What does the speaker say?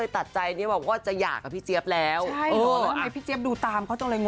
ทศัพท์จริงเค้ามันก็คิดว่าคุณไม่ได้รักเราจริง